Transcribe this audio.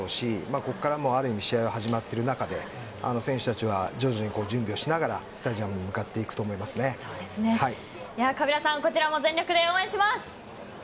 ここからある意味試合は始まっている中で選手たちが徐々に準備しながらスタジアムに向かっていくカビラさん